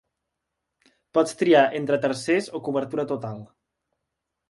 Pots triar entre a tercers o cobertura total.